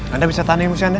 anda bisa tahan emosi anda